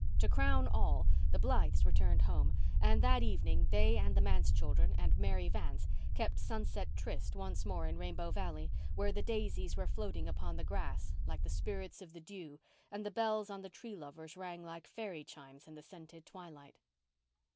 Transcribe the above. To crown all, the Blythes returned home, and that evening they and the manse children and Mary Vance kept sunset tryst once more in Rainbow Valley, where the daisies were floating upon the grass like spirits of the dew and the bells on the Tree Lovers rang like fairy chimes in the scented twilight.